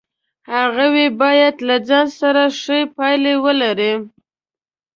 هغوی باید له ځان سره ښې پایلې ولري.